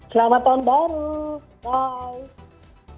selamat tahun baru bye